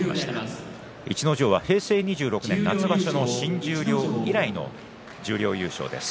逸ノ城は平成２６年夏場所の新十両以来の十両優勝です。